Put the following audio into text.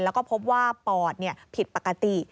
แล้วก็พบว่าปอดผิดปกติ